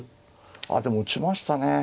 あでも打ちましたね。